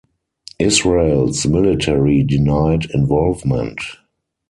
Israel's military denied involvement.